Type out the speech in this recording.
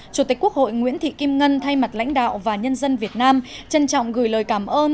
chủ tịch quốc hội nguyễn thị kim ngân thay mặt lãnh đạo và nhân dân việt nam trân trọng gửi lời cảm ơn